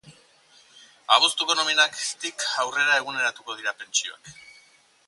Abuztuko nominatik aurrera eguneratuko dira pentsioak.